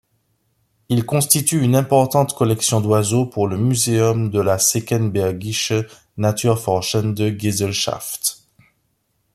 Il constitue une importante collection d’oiseaux pour le muséum de la Senckenbergische Naturforschende Gesellschaft.